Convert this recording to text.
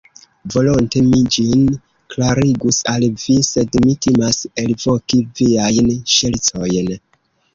Volonte mi ĝin klarigus al vi, sed mi timas elvoki viajn ŝercojn.